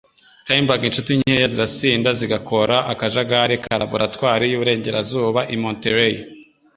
Steinbeck, inshuti nkeya zirasinda & zigakora akajagari ka Laboratwari y’iburengerazuba i Monterey